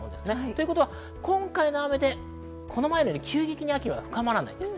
今回の雨でこの前のように急激に秋は深まらないです。